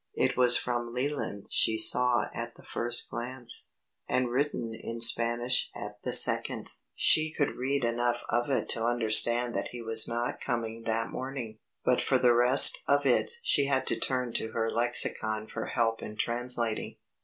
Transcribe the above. It was from Leland she saw at the first glance, and written in Spanish at the second. She could read enough of it to understand that he was not coming that morning, but for the rest of it she had to turn to her lexicon for help in translating.